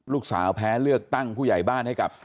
แพ้เลือกตั้งผู้ใหญ่บ้านให้กับ